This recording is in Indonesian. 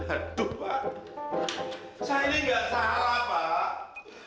aduh pak saya ini nggak salah pak